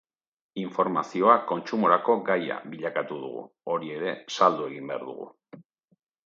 Informazioa kontsumorako gaia bilakatu dugu, hori ere saldu egin behar dugu.